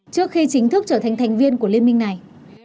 trước khi chính thức trở thành thành viên của liên minh này